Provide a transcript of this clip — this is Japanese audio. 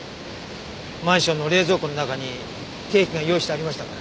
マンションの冷蔵庫の中にケーキが用意してありましたから。